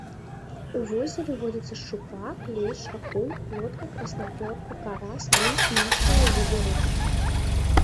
У возеры водзяцца шчупак, лешч, акунь, плотка, краснапёрка, карась, лінь і іншыя віды рыб.